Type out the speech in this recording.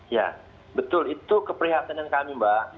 ya betul itu keprihatinan kami mbak